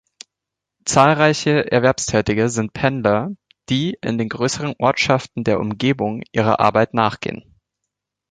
Zahlreiche Erwerbstätige sind Pendler, die in den größeren Ortschaften der Umgebung ihrer Arbeit nachgehen.